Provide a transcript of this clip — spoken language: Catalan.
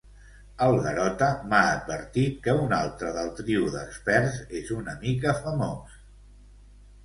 El Garota m'ha advertit que un altre del trio d'experts és una mica famós.